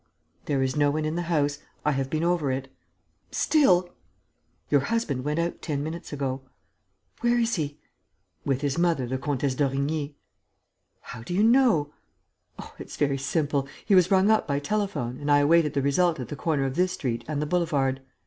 "There is no one in the house. I have been over it." "Still ..." "Your husband went out ten minutes ago." "Where is he?" "With his mother, the Comtesse d'Origny." "How do you know?" "Oh, it's very simple! He was rung up by telephone and I awaited the result at the corner of this street and the boulevard.